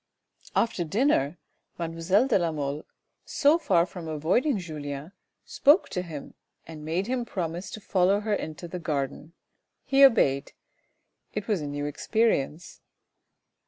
After dinner mademoiselle de la Mole, so far from avoiding Julien, spoke to him and made him promise to follow her into the garden. He obeyed. It was a new experience.